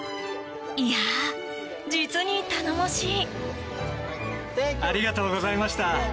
いやあ、実に頼もしい。